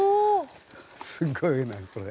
すごいなこれ。